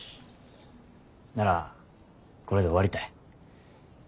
ならこれで終わりたい。